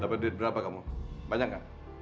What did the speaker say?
dapat duit berapa kamu banyak gak